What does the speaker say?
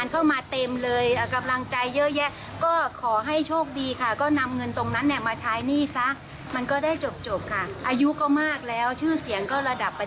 ไปฟังเลยค่ะ